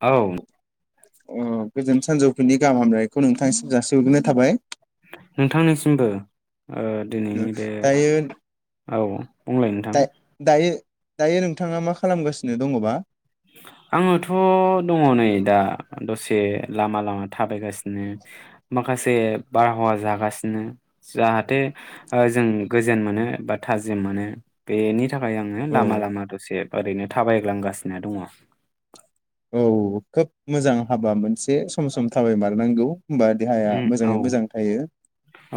औ अ गोजोन सानजौफुनि गाहाम हामलानायखौ नोंथांसिम जासि हरग्रोनाय थाबाय। नोंथांनिसिमबो ओ दिनैनि बे औ बुंलाय नोंथां दा-दायो। दायो नोंथाङा मा खालामगासिनो दङबा। आङोथ' दङ नै दा दसे लामा लामा थाबायगासिनो माखासे बारहावा जागासिनो जाहाथे ओ जों जोन मोनो बा थाजिम मोनो बे नि थाखाय आङो औ लामा लामा दसे ओरैनो थाबायग्लांगासि नो दङ। औ खोब मोजां हाबा मोनसे सम सम थाबायमारनांगौ। होमबा देहाया उम औ मोजाङै मोजां थायो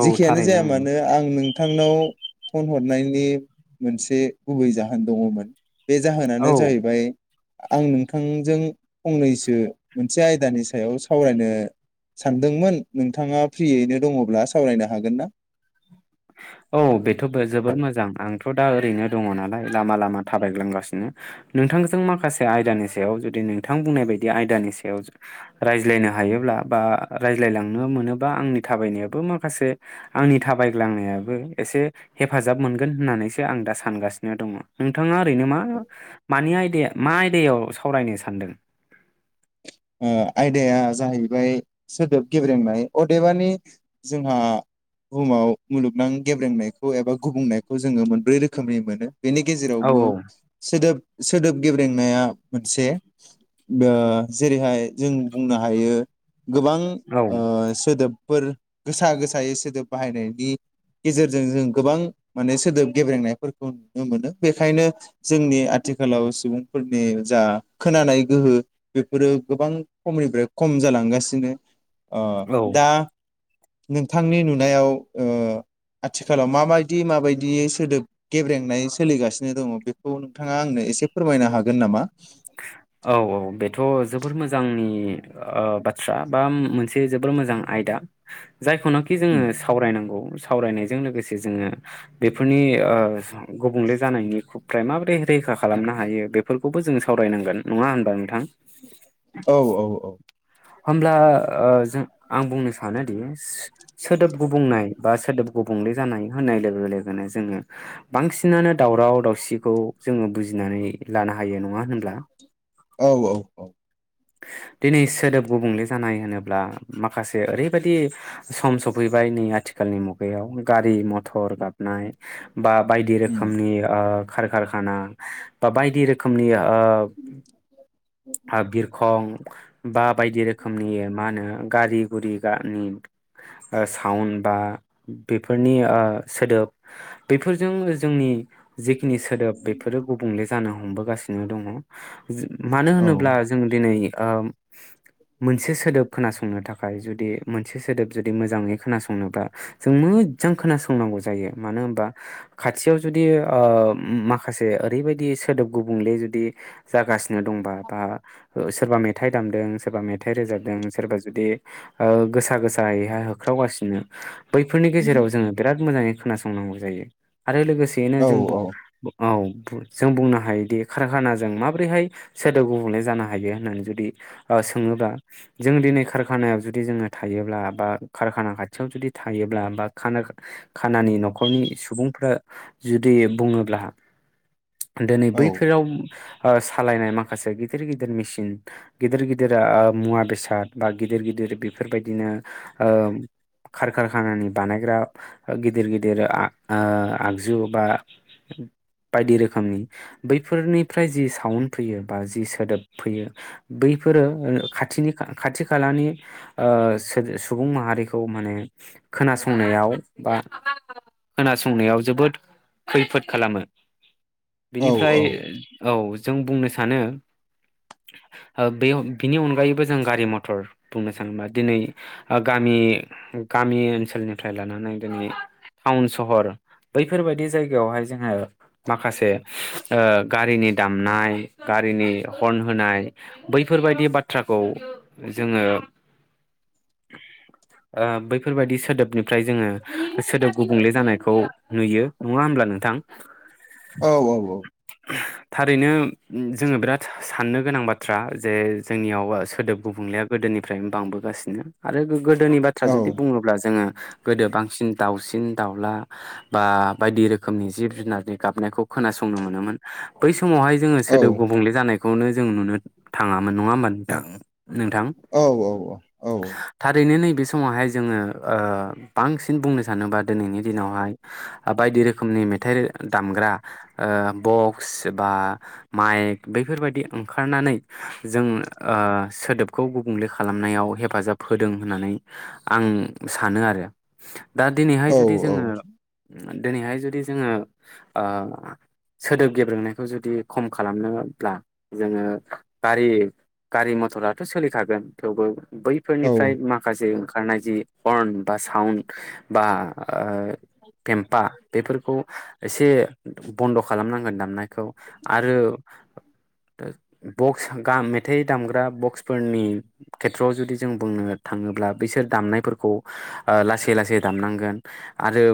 औ जेखियानो थारैनो जाया ओं मानो आं नोंथांनाव फन हरनायनि मोनसे गुबै जाहोन दङमोन। बे जाहोनानो औ जाहैबाय आं नोंथां जों फंनैसो मोनसे आयदानि सायाव सावरायनो सानदोंमोन। नोंथाङा फ्रियैनो दङब्ला सावरायनो हागोन ना? औ बेथ' बो जोबोद मोजां आं थ' दा ओरैनो दङ नालाय लामा लामा थाबायग्लांगासिनो नोंथांजों माखासे आयदानि सायाव जुदि नोंथां बुंनाय बायदि आयदानि सायाव रायज्लायनो हायोब्ला बा रायज्लायलांनो मोनोबा आंनि थाबायनायाबो माखासे आंनि थाबायग्लांनाया बो एसे हेफाजाब मोनगोन होननानैसो आं दा सानगासिनो दङ नोंथाङा ओरैनो मा मानि आयदाया मा आयदायाव सावरायनो सानदों। ओ आयदाया जाहैबाय सोदोब गेब्रेंनाय अदेबानि जोंहा बुहुमाव मुलुगनां गेब्रेंनायखौ एबा गुबुंनायखौ जोङो मोनब्रै रोखोमनि मोनो। बेनि औ गेजेरावबो सोदोब सोदोब गेब्रेंनाया मोनसे ओ जेरैहाय जों बुंनो हायो गोबां ओ औ सोदोब फोर गोसा गोसायै सोदोब बाहायनायनि गेजेरजों जों गोबां माने सोदोब गेब्रेंनायफोरखौ नुनो मोनो बेखायनो जोंनि आथिखालाव सुबुंफोरनि जा खोनानाय गोहो बेफोरो गोबां खमनिफ्राय खम जालांगासिनो अ औ दा नोंथांनि नुनायाव ओ आथिखालाव माबायदि माबायदि सोदोब गेब्रेंनाय सोलिगासिनो दङ। बेखौ नोंथाङा आंनो एसे फोरमायनो हागोन नामा? थ' जोबोर मोजांनि ओ बाथ्रा बा मोनसे जोबोर मोजां आयदा। जायखौनाखि जोङो सावरायनांगौ सावरायनायजों लोगोसे जोङो बेफोरनि ओ गुबुंले जानायनि फ्राय माबोरै रैखा खालामनो हायो बेफोरखौबो जोङो सावरायनांगोन। नङा होनबा नोंथां? औ औ औ होमब्ला ओ जों आं बुंनो सानोदि सो सोदोब गुबुंनाय बा सोदोब गुबुंले जानाय होननाय लोगो लोगोनो जोङो बांसिनानो दावराव दावसिखौ जोङो बुजिनानै लानो हायो नङा होनब्ला औ औ औ दिनै सोदोब गुबुंले जानाय होनोब्ला माखासे ओरैबायदि सम सफैबाय नै आथिखालनि मुगायाव गारि मथर गाबनाय बा बायदि उम, रोखोमनि ओ खार खारखाना बा बायदि रोखोमनि ओ ओ बिरखं बा बायदि रोखोमनि मा होनो ओ गारि गुरि गानि ओ साउन्ड बा बेफोरनि ओ सोदोब बेफोरजों जोंनि जेखिनि सोदोब बेफोरो गुबुंले जानो हमबोगासि नों दङ ज मानो औ होनोब्ला जों दिनै आम मोनसे सोदोब खोनासंनो थाखाय जुदि मोनसे सोदोब जुदि मोजाङै खोनासंनोब्लाा जों मोदजां खोनासंनांगौ जायो मानो होनबा खाथियाव जुदि ओ उम माखासे ओरैबायदि सोदोब गुबुंले जुदि जागासि नो दंबा बा ओ सोरबा मेथाइ दामदों सोरबा मेथाइ रोजाबदों सोरबा जुदि ओ गोसा गोसायैहाय होख्रावगासिनो बैफोरनि गेजेराव जोङो बिराद मोजाङै खोनासंनांगौ जायो। आरो लोगोसेयैनो औ जों, औ औ । जों बुंनो हायोदि खारखानाजों माबोरैहाय सोदोब गुबुंले जानो हायो होननानै जुदि सोङोबा जों दिनै कारखानायाव जुदि जोङो थायोब्ला बा कारखाना खाथियाव जुदि थायोब्ला बा खाना खानानि न'खरनि सुबुंफ्रा जुदि बुङोब्ला दिनै औ बैफोराव ओ सालायनाय माखासे गिदिर गिदिर मेसिन गिदिर गिदिर मुवा बेसाद बा गिदिर गिदिर बेफोर बायदिनो खारकारखानानि बानायग्रा गिदिर गिदिर आगजु बा बायदि रोखोमनि बैफोरनिफ्राय जि साउन फैयो बा जि सोदोब फैयो बैफोरो खाथिनि खाथि खालानि ओ सुबुं माहारिखौ माने खोनासंनायाव बा खोनासंनायाव जोबोद खैफोद खालामो। औ बेनिफ्राय औ । जों बुंनो सानो [inaudible] बे बिनि अनगायैबो जों गारि मथर बुंनो सानोबा दिनै गामि गामि ओनसोलनिफ्राय लानानै दिनै टाउन सहर बैफोर बायदि जायगायावहाय जोङो माखासे ओ गारिनि दामनाय गारिनि हर्न होनाय, बैफोर बायदि बाथ्राखौ जोङो [inaudible] बैफोर बायदि सोदोब निफ्राय जोङो सोदोब गुबुंले जानायखौ नुयो नङा होमब्ला नोंथां? औ थारैनो उम, जोङो बिराद साननो गोनां बाथ्रा जे जोंनियाव सोदोब गुबुंलेया गोदोनिफ्रायनो बांबोगासिनो आरो गोदोनि बाथ्रा औ जुदि बुङोब्ला जोङो। गोदो बांसिन दाउसिन दाउला बा बायदि रोखोमनि जिब जुनारनि गाबनायखौ खोनासंनो मोनोमोन बै समावहाय औ सोदोब गुबुंले जानाय खौनो जों नुनो थाङामोन नङा होमबा नोंथा? नोंथां औ औ [inaudible] थारैनो नै बे समावहाय जोङो ओ बांसिन बुंनो सानोबा दिनैनि दिनावहाय बायदि रोखोमनि मेथाइ दामग्रा बक्स बा माइक बैफोर बायदि ओंखारनानै जों ओ सोदोबखौ गुबुंले खालामनायाव हेफाजाब होदों होननानै आं सानो आरो। दा दिनैहाय जुदि जोङो दिनैहाय जुदि जोङो ओ सोदोब गेब्रेनायखौ जुदि खम खालामनोब्ला जोङो गारि गारि मथराथ' सोलिखागोन थेवबो औ बैफोरनिफ्राय माखासे ओं खारनाय जि हर्न बा साउन्ड बा ओ पेम्पा बेफोरखौ एसे बन्द' खालामनांगोन दामनायखौ। आरो ओ बक्स मेथाइ दामग्रा बक्सफोरनि खेथ्रआव जुदि जों बुंनो थाङोब्ला बिसोर दामनायफोरखौ लासै लासै दामनांगोन आरो।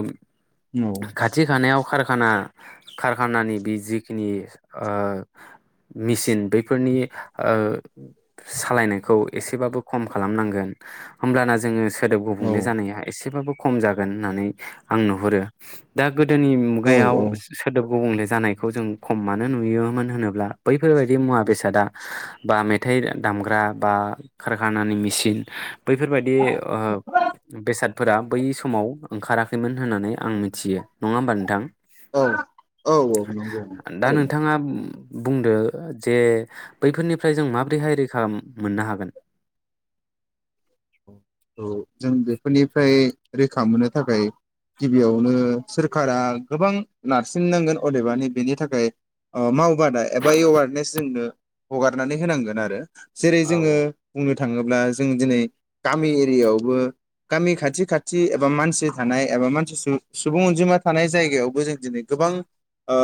खाथि खानायाव कारखाना कारखानानि बे जिखिनि ओ। मिसिन बैफोरनि ओ, सालायनायखौ एसेबाबो खम खालामनांगोन होमब्लाना जोङो सोदोब गुबुंले जानाया एसेबाबो खम जागोन होननानै आं नुहुरो। दा गोदोनि मुगायाव सोदोब गुबुंले जानायखौ जों खम मानो नुयोमोन होनोब्ला बैफोरबायदि मुवा बेसादा बा मेथाइ दामग्रा बा खारखानानि मेसिन बैफोरबायदि ओ बेसाद फोरा बै समाव ओंखाराखैमोन होननानै आं मिथियो नङा होमबा नोंथां? औ औ औ नंगौ दा थारैनो नोंथाङा बुंदो जे बैफोरनिफ्राय जों माबोरैहाय रैखा मोननो हागोन? औ जों बेफोरनिफ्राय रैखा मोननो थाखाय गिबियावनो सोरखारा गोबां नारसिननांगोन अदेबानि बेनि थाखाय माव बादा एबा एवारनेस जोंनो हगारनानै होनांगोन आरो जेरै जोंङो औ बुंनो थाङोब्ला अब्ला जों दिनै गामि एरियायावबो गामि खाथि खाथि एबा मानसि थानाय एबा मानसि सुबु सुबुं अनजिमा थानाय जायगायावबो जों दिनै गोबां ओ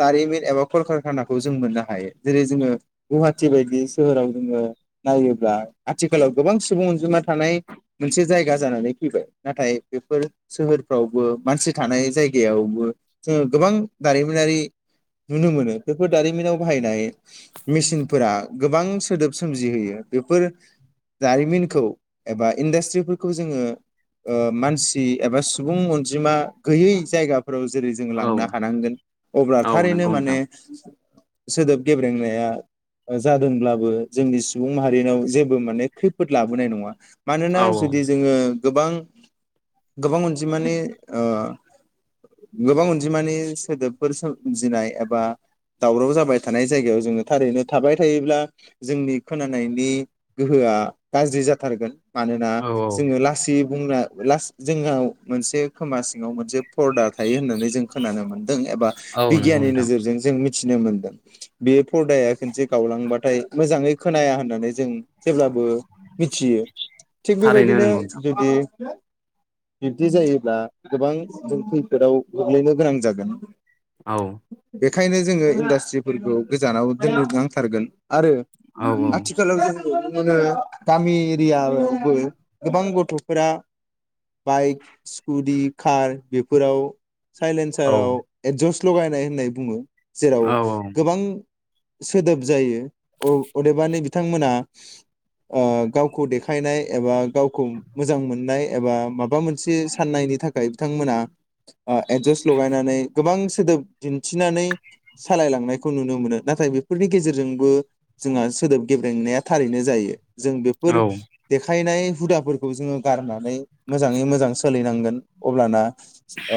दारिमिन एबा खल कारखानाखौ जों मोननो हायो जेरै जोङो गुवाहाटि बायदि सोहोराव जोंङो नायोब्ला आथिखालाव गोबां सुबुं अनजिमा थानाय मोनसे जायगा जानानै फैबाय नाथाय बेफोर सोहोरफ्रावबो मानसि थानाय जायगायावबो जोंङो गोबां दारिमिनारि नुनो मोनो बेफोर दारिमिनाव बाहायनाय मेसिनफोरा गोबां सोदोब सोमजिहोयो बेफोर दारिमिनखौ एबा इन्डास्ट्रिफोरखौ जोङो मानसि एबा सुबुं अनजिमा गैयै जायगा फोराव जेरै जों लांनो हानांगोन अब्ला औ थारैनो नंगौ माने नोंथां सोदोब गेब्रेंनाया जादोंब्लाबो जोंनि सुबुं माहारिनाव जेबो माने खैफोद लाबोनाय नङा । मानोना औ जुदि जोङो गोबां गोबां अनजिमानि ओ गोबां अनजिमानि सोदोबफोर सोमजिनाय एबा दावराव जाबाय थानाय जायगायाव जोङो थारैनो थाबाय थायोब्ला जोंनि खोनानायनि गोहोआ गाज्रि जागो थारगोन मानोना जोङो लासै बुंना लास जोंनाव मोनसे खोमा सिङाव मोनसे फरदा थायो होननानै जों खोनानो मोनदों एबा नंगौ बिगियाननि नोंथां नोजोरजों जों मिथिनो मोनदों बे फदाया खनसे गावलांबाथाय मोजाङै खोनाया होननानै जों जेब्लाबो मिथियो थिग थारैनो बेबायदिनो नंगौ नोंथां जुदि बिब्दि जायोब्ला गोबां जों खैफोदाव गोग्लैनो गोनां जागोन । औ ओंखायनो जोङो इन्डासट्रिफोरखौ गोजानाव दोन नांथारगोन । आरो औ आथिखालाव जों [unintelligible] गामि एरियाआवबो गोबां गथ'फोरा बाइक स्कुटि कार बेफोराव औ साइलेन्साराव एदजस्ट लगायनाय होननाय बुङो जेराव औ गोबां सोदोब जायो अदेबानि बिथांमोना ओ गावखौ देखायनाय एबा गावखौ मोजां मोननाय एबा माब माबा मोनसे साननायनि थाख थाखाय बिथांमोना ओ एदजास्ट लगायनानै गोबां सोदोब दिन्थिनानै सालायलांनायखौ नुनो मोनो नाथाय बेफोरनि गेजेरजोंबो जोंहा सोदोब गेब्रेंनाया थारैनो जायो जों बेफोर औ देखायनाय हुदाफोरखौ जोङो गारनानै मोजाङै मोजां सोलिनांगोन अब्लाना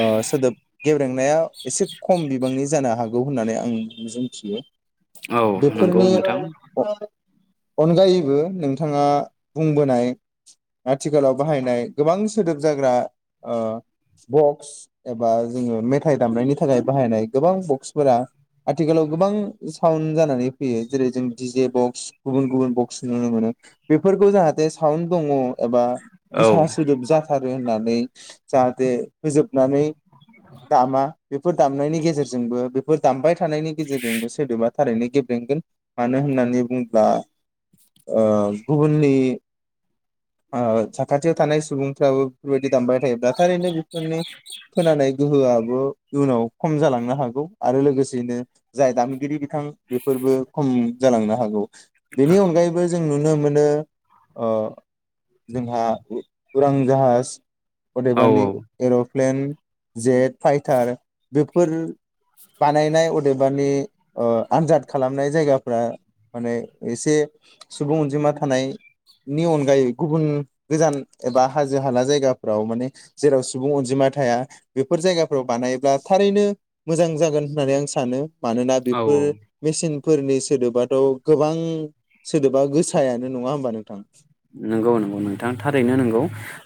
ओ सोदोब गेब्रेंनाया एसे खम बिबांनि जानो हाग गौ होननानै आं मिजिं थियो औ नंगौ बेफोरनि नोंथां अनगायैबो नोंथाङा बुंबोनाय आथिखालाव बाहायनाय गोबां सोदोब जाग्रा ओ बक्स एबा जोङो मेथाइ दामनायनि थाखाय बाहायनाय गोबां बक्सफोरा आथिखालाव गोबां साउन्ड जानानै फैयो जेरै जों डि जे बक्स गुबुन गुबुन बक्स नुनो मोनो बेफोरखौ जाहाथे साउन्ड दङ एबा औ गोसा सोदोब जाथारो होननानै जाहाथे होजोब नानै दामा बे बेफोर दामनायनि गेजेरजोंबो बेफोर दामबाय थानायनि गेजेरजोंबो सोदोबा थारैनो गेब्लेंगोन मानो होननानै बुङोब्ला ओ गुबुननि ओ साखाथियाव थानाय सुबुंफ्राबो बेफोरबायदि दामबाय थायोब्ला थारैनो बिफोरनि खोनानाय गोहोआबो इयुनाव खम जालांनो हागौ आरो लोगोसेयैनो जाय दामगिरि बि बिथां बेफोरबो खम जालांनो हागौ बेनि अनगायैबो जों नुन नुनो मोनो जोंहा उ-उरां जाहाज औ अदेबानि एर' प्लेन जेट फाइटार बेफोर बानायनाय अदेबानि आनजाद खालामनाय जायगाफ माने एसे सुबुं अनजिमा थानायनि अन गाय गुबुन गोजान एबा हाजो हाला जायगाफ्राव माने जेराव सुबुं अनजिमा थाया बेफोर जायगाफोराव बानायब्ला थारैनो मोजां जागोन होननानै आं सानो मानोना औ बेफोर औ मेसें फोरनि सोदोबाथ गोबां सोदोबा गोसायानो नङा होमबा नोंथां? नंगौ-नंगौ नोंथां थारैनो नंगौ,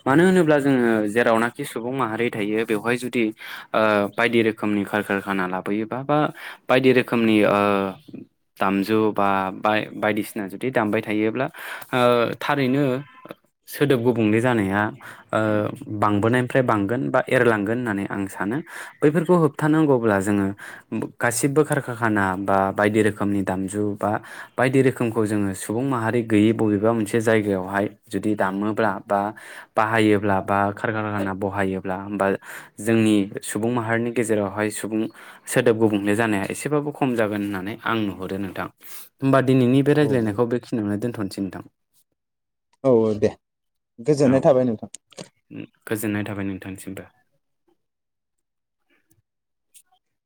मानो होनोब्ला जोङो जेरावनाखि सुबुं माहारि थायो बेवहाय जुदि बायदि रोखोमनि खार खारखाना लाबोयोबा बा बायदि रोखोमनि दामजु ओ बा बायदिसिना जुदि दामबाय थायोब्ला। थारैनो सोदोब गुबुंले जानाया बांबोनायनिफ्राय बांगोन बा एरलांगोन होननानै आं सानो, बैफोरखौ होबथानांगौब्ला जोङो गासिबो खारखााखाना बा बायदि रोखोमनि दामजु बा बायदि रोखोमखौ जोङो सुबुं माहारि गैयै बबेबा मोनसे जायगायावहाय जुदि दामोब्ला बा बाहायोब्ला बा खारखाखाना बहायोब्ला होमबा जोंनि सुबुं माहारिनि गेजेरावहाय सुबुं सोदोब गुबुंले जानाया एसेबाबो खम जागोन होननानै आं नुहरो नोंथां । होमबा दिनैनि बे औ रायज्लायनायखौ बेखिनियावनो दोनथसै नोंथां। औ दे गोजोननाय औ थाबाय नोंथां। गोजोननाय थाबाय नोंथांसिमबो। [inaudible]